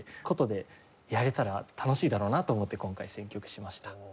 箏でやれたら楽しいだろうなと思って今回選曲しました。